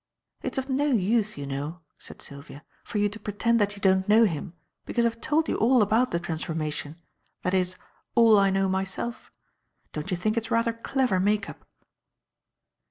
"It's of no use, you know," said Sylvia, "for you to pretend that you don't know him, because I've told you all about the transformation that is, all I know myself. Don't you think it's rather a clever make up?"